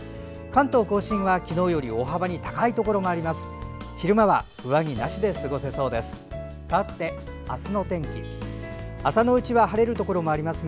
関東・甲信は昨日より大幅に高いところもあります。